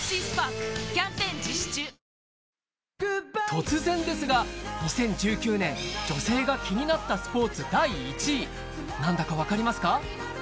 突然ですが２０１９年女性が気になったスポーツ第１位何だか分かりますか？